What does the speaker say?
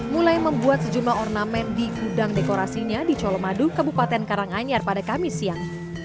mulai membuat sejumlah ornamen di gudang dekorasinya di colomadu kabupaten karanganyar pada kamis siang